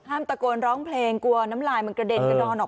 ตะโกนร้องเพลงกลัวน้ำลายมันกระเด็นกระดอนออก